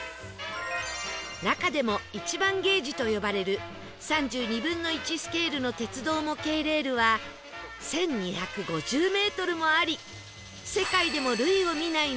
中でも１番ゲージと呼ばれる３２分の１スケールの鉄道模型レールは１２５０メートルもあり